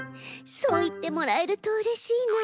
そういってもらえるとうれしいな。